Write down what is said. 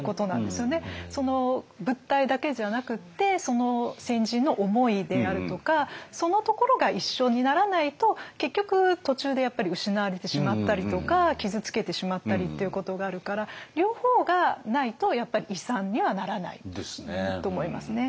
その物体だけじゃなくてその先人の思いであるとかそのところが一緒にならないと結局途中でやっぱり失われてしまったりとか傷つけてしまったりっていうことがあるから両方がないとやっぱり遺産にはならないと思いますね。